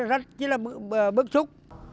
rất là bức xúc